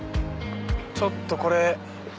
ちょっとこれ。